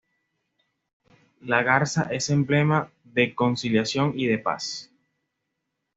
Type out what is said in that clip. La garza es emblema de conciliación y de paz.